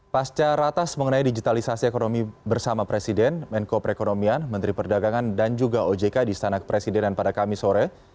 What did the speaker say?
pasca ratas mengenai digitalisasi ekonomi bersama presiden menko perekonomian menteri perdagangan dan juga ojk di istana kepresidenan pada kamis sore